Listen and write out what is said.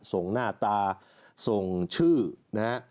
ทรงหน้าตาทรงชื่อนะครับ